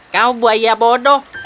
kau buaya bodoh